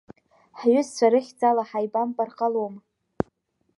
Ҳҩызцәа рыхьӡала ҳаибамбар ҟалом.